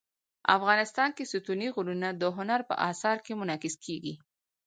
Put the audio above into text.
افغانستان کې ستوني غرونه د هنر په اثار کې منعکس کېږي.